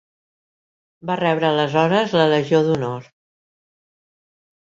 Va rebre aleshores la Legió d'Honor.